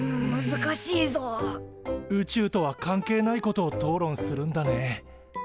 宇宙とは関係ないことを討論するんだね。